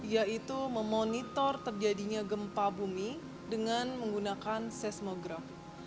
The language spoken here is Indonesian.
yaitu memonitor terjadinya gempa bumi dengan menggunakan seismograf